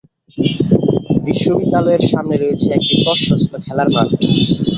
বিদ্যালয়ের সামনে রয়েছে একটি প্রশস্ত খেলার মাঠ।